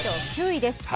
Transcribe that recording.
９位です。